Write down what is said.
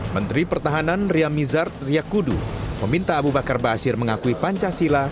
menteri pertahanan ria mizar ria kudu meminta abu bakar ba'asyir mengakui pancasila